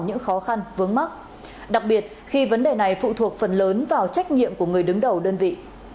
những khó khăn vướng mắt đặc biệt khi vấn đề này phụ thuộc phần lớn vào trách nhiệm của người đứng đầu đơn vị